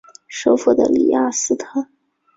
首府的里雅斯特。